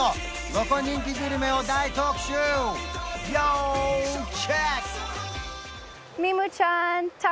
ロコ人気グルメを大特集要チェック！